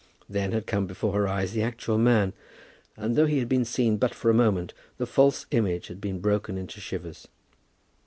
Then had come before her eyes the actual man; and though he had been seen but for a moment, the false image had been broken into shivers.